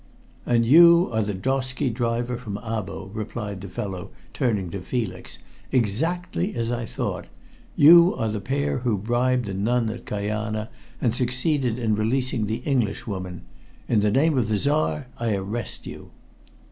"And you are the drosky driver from Abo," remarked the fellow, turning to Felix. "Exactly as I thought. You are the pair who bribed the nun at Kajana, and succeeded in releasing the Englishwoman. In the name of the Czar, I arrest you!"